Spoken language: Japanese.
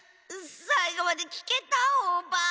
さいごまできけたオバ！